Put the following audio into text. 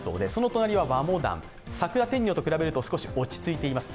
隣は和モダン、桜天女と比べると少し落ち着いています。